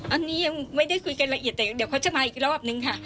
อันนี้ยังไม่ได้คุยกันละเอียดแต่เดี๋ยวเขาจะมาอีกรอบนึงค่ะ